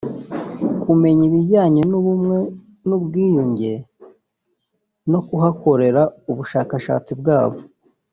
kumenya ibijyanye n’ubumwe n’ubwiyunge no kuhakorera ubushakashatsi bwabo